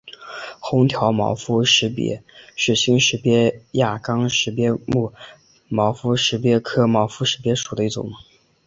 红条毛肤石鳖是新石鳖亚纲石鳖目毛肤石鳖科毛肤石鳖属的一种。